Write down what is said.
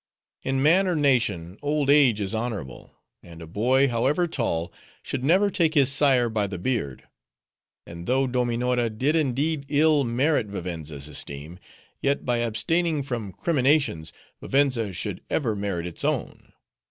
In man or nation, old age is honorable; and a boy, however tall, should never take his sire by the beard. And though Dominora did indeed ill merit Vivenza's esteem, yet by abstaining from criminations, Vivenza should ever merit its own.